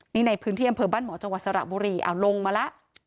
นี่ในพื้นที่อำเภอบ้านหมอจังหวัดสระบุรีเอาลงมาแล้ว